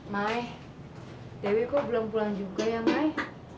mae dewi kok belum pulang juga ya mai